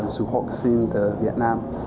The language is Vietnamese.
một mươi hai dự học sinh ở việt nam